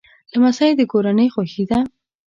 لمسی د کورنۍ خوښي ده.